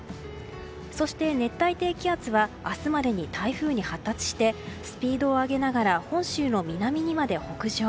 そして熱帯低気圧は明日までに台風に発達してスピードを上げながら本州の南にまで北上。